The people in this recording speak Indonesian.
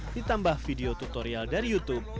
ditambah video tutorial dari youtube